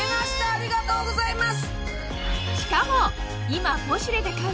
ありがとうございます！